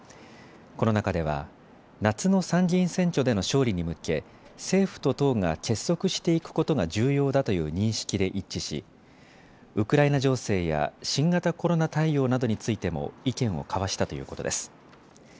この中では、夏の参議院選挙での勝利に向け政府と党が結束していくことが重要だという認識で一致しウクライナ情勢や新型コロナ対応などについても意見を交わしたということです。